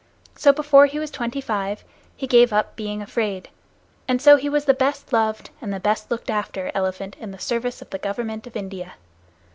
So, before he was twenty five, he gave up being afraid, and so he was the best loved and the best looked after elephant in the service of the Government of India.